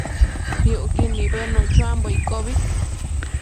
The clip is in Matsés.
Piucquid nibëdnuc chuambo iccobi